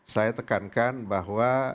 saya tekankan bahwa